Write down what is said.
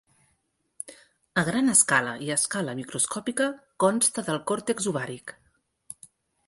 A gran escala i a escala microscòpica, consta del còrtex ovàric.